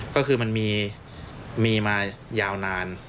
ก็คือมันมีมายาวนาน